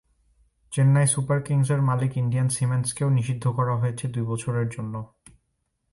Chennai Super কিংসের মালিক Indian সিমেন্টসকেও নিষিদ্ধ করা হয়েছে দুই বছরের জন্য।